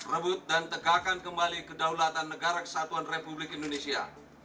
rebut dan tegakkan kembali kedaulatan negara kesatuan republik indonesia